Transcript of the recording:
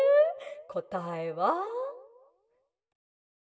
こたえは」。